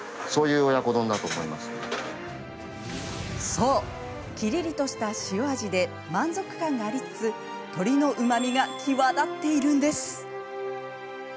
そう、きりりとした塩味で満足感がありつつ鶏のうまみが際立っているんです。